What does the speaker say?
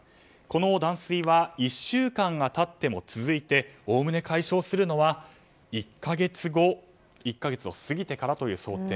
この断水は１週間が経っても続いておおむね解消するのは、１か月後１か月を過ぎてからという想定。